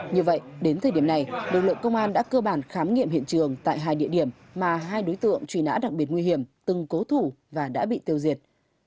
như vậy đến thời điểm này lực lượng công an đã cơ bản khám nghiệm hiện trường tại hai địa điểm mà hai đối tượng truy nã đặc biệt nguy hiểm từng cố thủ và đã bị tiêu diệt